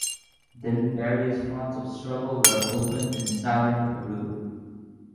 Then various fronts of struggle were opened in southern Peru.